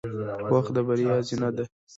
• وخت د بریا زینه ده.